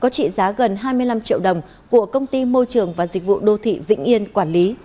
triệu đồng của công ty môi trường và dịch vụ đô thị vịnh yên quản lý